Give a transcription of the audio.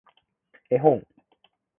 絵本